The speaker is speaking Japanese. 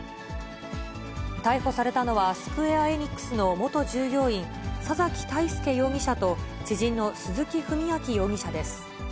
逮捕されたのは、スクウェア・エニックスの元従業員、佐崎泰介容疑者と知人の鈴木文章容疑者です。